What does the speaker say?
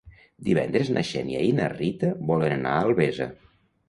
Divendres na Xènia i na Rita volen anar a Albesa.